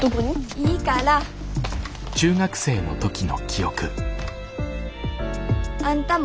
いいから。あんたも。